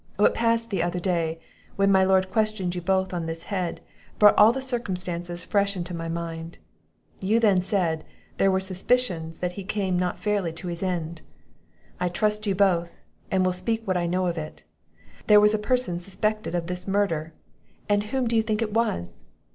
What passed the other day, when my Lord questioned you both on this head, brought all the circumstances fresh into my mind. You then said, there were suspicions that he came not fairly to his end. I trust you both, and will speak what I know of it. There was a person suspected of this murder; and whom do you think it was?"